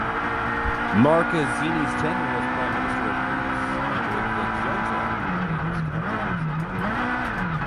Markezinis's tenure as Prime Minister of Greece under the Junta remains controversial.